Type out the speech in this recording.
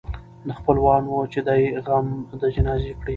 نه خپلوان وه چي دي غم د جنازې کړي